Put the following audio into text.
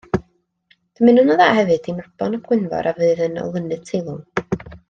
Dymunwn yn dda hefyd i Mabon ap Gwynfor a fydd yn olynydd teilwng.